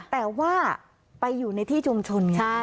แต่ว่าไปอยู่ในที่ชุมชนไง